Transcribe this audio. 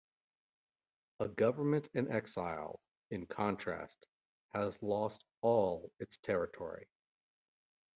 A government in exile, in contrast, has lost all its territory.